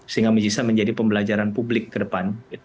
sehingga bisa menjadi pembelajaran publik ke depan